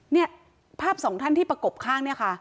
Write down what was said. เนี่ยภาพสองท่านที่ประกบข้างเนี่ยค่ะ